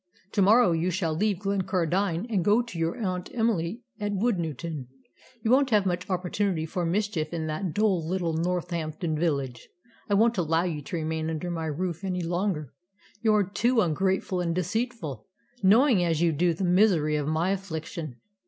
To morrow you shall leave Glencardine and go to your aunt Emily at Woodnewton. You won't have much opportunity for mischief in that dull little Northampton village. I won't allow you to remain under my roof any longer; you are too ungrateful and deceitful, knowing as you do the misery of my affliction."